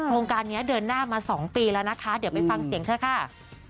โครงการนี้เดินหน้ามา๒ปีแล้วนะคะเดี๋ยวไปฟังเสียงเธอค่ะ